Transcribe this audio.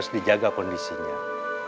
sebaiknya kita robots weihnitus kan